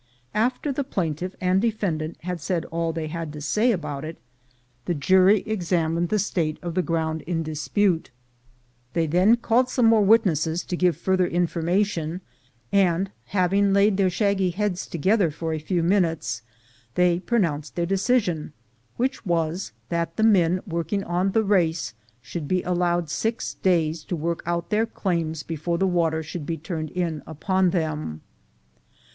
After the plaintiff and defendant had said all they had to say about it, the jury examined the state of the ground in dispute; they then called some more 154 THE GOLD HUNTERS witnesses to give further information, and having laid their shaggy heads together for a few minutes, they pronounced their decision; w^hich was, that the men working on the race should be allowed six days to work out their claims before the water should be turned in upon them.